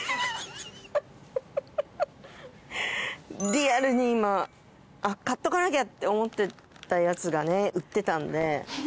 リアルに今買っとかなきゃって思ってたやつが売ってたんで。